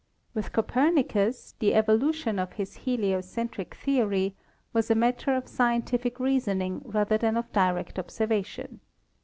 With Copernicus the evolution of his heliocentric theory was a matter of scien tific reasoning rather than of direct observation.